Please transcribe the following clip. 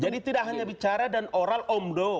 jadi tidak hanya bicara dan oral omdo